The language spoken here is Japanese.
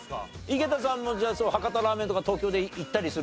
井桁さんもじゃあ博多ラーメンとか東京で行ったりする？